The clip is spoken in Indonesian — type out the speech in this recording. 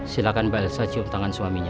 silakan mbak elsa cium tangan suaminya